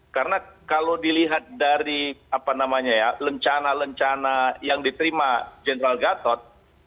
karena kalau dilihat dari apa namanya ya lencana lencana yang diterima general gatot